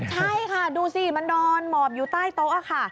ใช่ค่ะดูสิมันนอนหมอบอยู่ใต้โต๊ะค่ะ